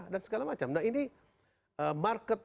dan segala macam nah ini market